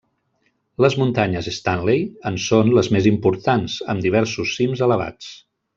Les muntanyes Stanley en són les més importants, amb diversos cims elevats.